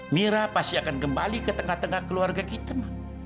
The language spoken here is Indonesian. mira pasti akan kembali ke tengah tengah keluarga kita